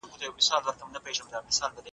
په څېړنه کې د کار وخت ارزول شوی.